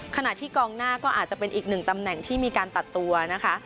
ขณะที่กองหน้าก็อาจจะเป็นอีกหนึ่งตำแหน่งที่มีการตัดตัวนะคะ